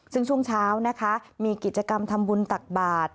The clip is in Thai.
ซึ่งช่วงเช้านะคะมีกิจกรรมทำบุญตักบาท